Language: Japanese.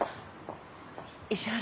石原